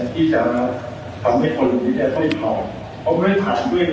แต่เราก็มีคุณมือวิธีการในช่วงวิทยาศาสตร์